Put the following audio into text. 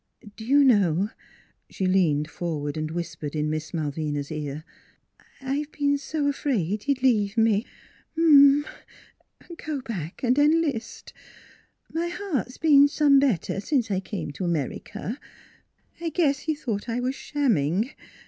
Do you know " She leaned forward and whispered in Miss Malvina's ear: " I've been so afraid he'd leave me. ... Uh huh; an' go back 'n' enlist. My heart's been some better since I come to America. I guess he thought I was shamming.